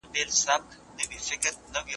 زه له سهاره د کتابتوننۍ سره خبري کوم!.